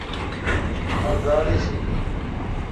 مہ گاڑی شی این۔